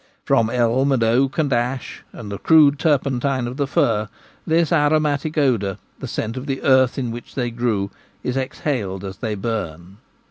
From elm and oak and ash, and the crude turpentine of the fir, this aromatic odour, the scent of the earth in which they grew, is exhaled as they burn.